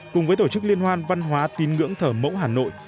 cùng với tổ chức liên hoan văn hóa tin ngưỡng thờ mẫu hà nội